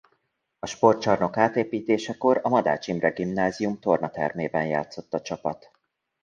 A sportcsarnok átépítésekor a Madách Imre Gimnázium tornatermében játszott a csapat.